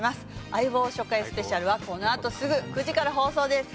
『相棒』初回スペシャルはこのあとすぐ９時から放送です。